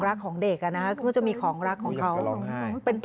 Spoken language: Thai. แม้ว่าผมเจอที่เกิดเหตุ